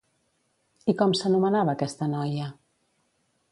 I com s'anomenava aquesta noia?